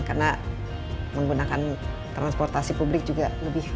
karena menggunakan transportasi publik juga lebih